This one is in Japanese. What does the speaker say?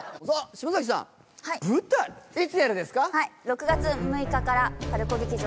島崎さん舞台いつやるんですか？